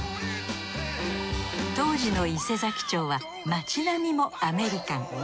当時の伊勢佐木町は街並みもアメリカン。